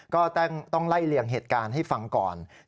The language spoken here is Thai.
ก็ต้องไล่เลี่ยงเหตุการณ์ให้ฟังก่อน